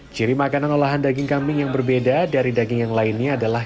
ciri makanan olahan daging kambing yang berbeda dari daging yang lainnya adalah